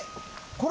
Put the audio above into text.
これ？